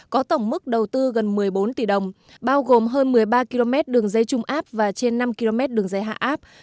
có tổng mức đầu tư gần một mươi bốn tỷ đồng bao gồm hơn một mươi ba km đường dây trung áp và trên năm km đường dây hạ áp